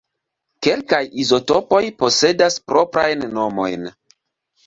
Kelkaj izotopoj posedas proprajn nomojn.